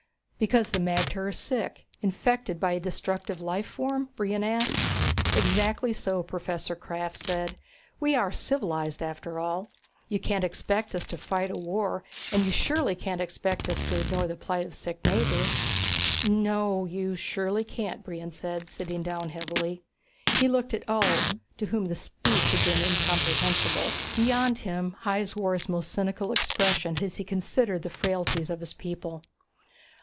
"Because the magter are sick, infected by a destructive life form?" Brion asked. "Exactly so," Professor Krafft said. "We are civilized, after all. You can't expect us to fight a war and you surely can't expect us to ignore the plight of sick neighbors?" "No ... you surely can't," Brion said, sitting down heavily. He looked at Ulv, to whom the speech had been incomprehensible. Beyond him, Hys wore his most cynical expression as he considered the frailties of his people.